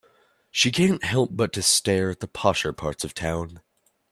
She can't help but to stare at the posher parts of town.